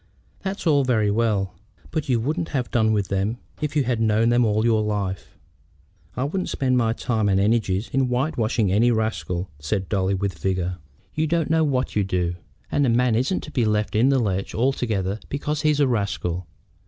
"That's all very well; but you wouldn't have done with them if you had known them all your life." "I wouldn't spend my time and energies in white washing any rascal," said Dolly, with vigor. "You don't know what you'd do. And a man isn't to be left in the lurch altogether because he's a rascal.